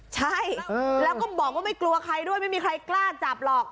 ใช่แล้วก็บอกว่าไม่กลัวใครด้วยไม่มีใครกล้าจับหรอก